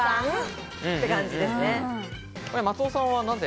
松尾さんは、なぜ？